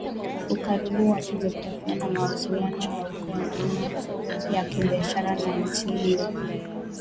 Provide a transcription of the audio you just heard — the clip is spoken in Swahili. ukaribu wao kijografia na mahusiano ya huko nyuma ya kibiashara na nchi hiyo